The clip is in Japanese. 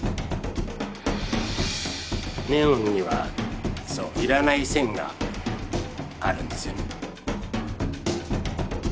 ネオンには要らない線があるんですよね。